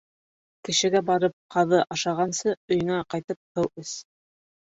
Кешегә барып, ҡаҙы ашағансы, өйөңә ҡайтып, һыу эс.